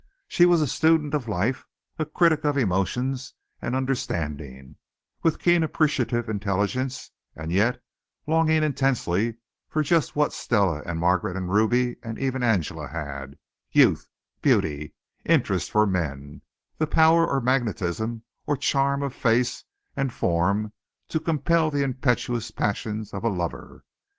She was a student of life, a critic of emotions and understanding, with keen appreciative intelligence, and yet longing intensely for just what Stella and Margaret and Ruby and even Angela had youth, beauty, interest for men, the power or magnetism or charm of face and form to compel the impetuous passion of a lover.